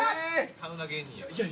サウナ芸人やから。